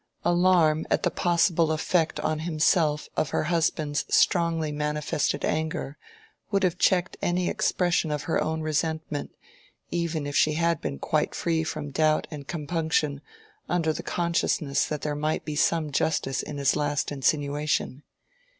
Alarm at the possible effect on himself of her husband's strongly manifested anger, would have checked any expression of her own resentment, even if she had been quite free from doubt and compunction under the consciousness that there might be some justice in his last insinuation.